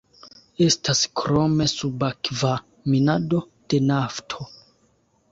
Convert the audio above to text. Estas krome subakva minado de nafto.